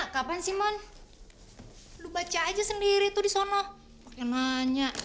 sampai jumpa di video selanjutnya